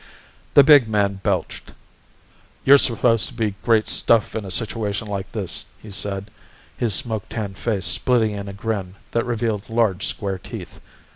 The big man belched. "You're supposed to be great stuff in a situation like this," he said, his smoke tan face splitting in a grin that revealed large square teeth.